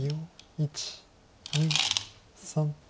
１２３。